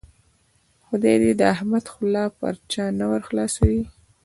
خدای دې د احمد خوله پر چا نه ور خلاصوي.